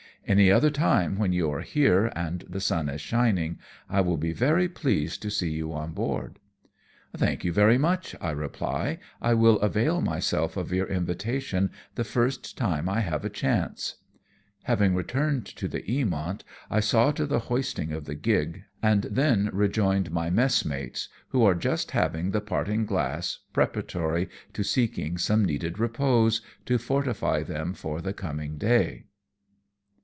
Any other time when you are here, and the sun is shining, I will be very pleased to see you on board." " Thank you very much," I reply ;" I will avail my self of your invitation the first time I have a chance.'' 112 AMONG TYPHOONS AND PIRATE CRAFT. Having returned to the Eamont, I saw to the hoisting of the gig, and then rejoined my messmates, who are just having the parting glass, preparatory to seeking some needed repose, to fortify them for the coming day.